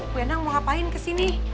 bu endang mau ngapain kesini